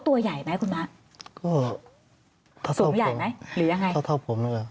ตัวใหญ่ไหมคุณม้าก็สูงใหญ่ไหมหรือยังไงก็เท่าผมไหมล่ะ